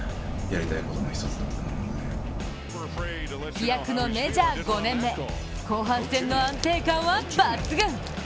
飛躍のメジャー５年目後半戦の安定感は抜群。